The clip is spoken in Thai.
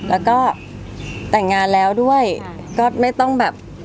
แล้วก็แต่งงานแล้วด้วยก็ไม่ต้องแบบ